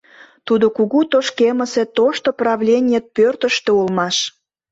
Тудо кугу тошкемысе тошто правленье пӧртыштӧ улмаш.